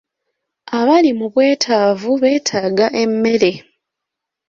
Abali mu bwetaavu beetaaga emmere.